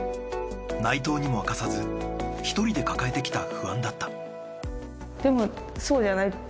内藤にも明かさず１人で抱えてきた不安だった。